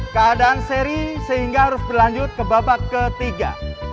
keadaan seri sehingga harus berlanjut ke babak ketiga